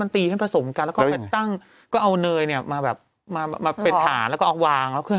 ที่มันตอกไข่ลวงไปแล้วออกไข่คือ